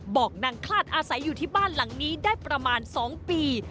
บอกนางคลาดอาศัยอยู่ที่บ้านหลังนี้ได้ประมาณ๒ปี